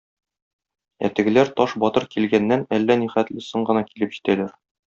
Ә тегеләр Таш батыр килгәннән әллә нихәтле соң гына килеп җитәләр.